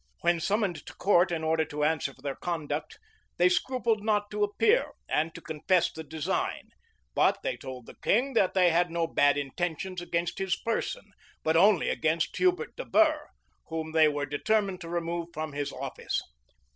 When summoned to court in order to answer for their conduct, they scrupled not to appear, and to confess the design: but they told the king that they had no bad intentions against his person, but only against Hubert de Burgh, whom they were determined to remove from his office.